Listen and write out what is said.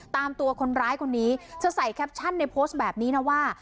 ตามตัวคนร้ายคนนี้เธอใส่แคปชั่นในโพสต์แบบนี้นะว่า